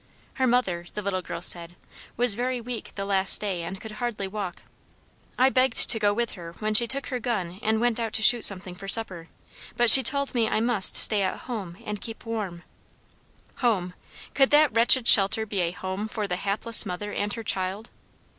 Her mother, the little girl said, was very weak the last day, and could hardly walk. "I begged to go with her when she took her gun and went out to shoot something for supper, but she told me I must stay at home and keep warm." Home! could that wretched shelter be a home for the hapless mother and her child?